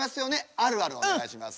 あるあるお願いします。